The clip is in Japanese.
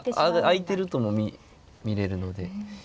あいてるとも見れるので。